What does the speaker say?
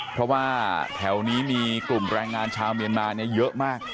เพราะว่าแถวนี้มีกลุ่มแรงงานชาวเมียนมาเยอะมาก